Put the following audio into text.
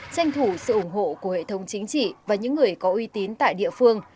tranh thủ sự ủng hộ của hệ thống chính trị và những người có uy tín tại địa phương